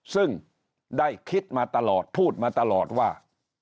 ซึ่งได้คิดมาตลอดพูดมาตลอดว่า